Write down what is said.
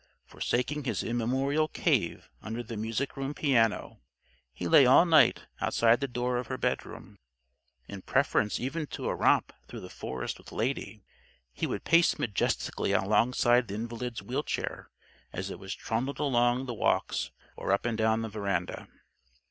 Forsaking his immemorial "cave" under the music room piano, he lay all night outside the door of her bedroom. In preference even to a romp through the forest with Lady, he would pace majestically alongside the invalid's wheelchair as it was trundled along the walks or up and down the veranda.